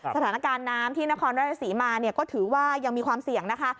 สถานการณ์น้ำที่นครราชศรีมาเนี่ยก็ถือว่ายังมีความเสี่ยงนะคะ